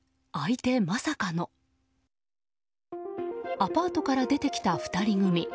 アパートから出てきた２人組。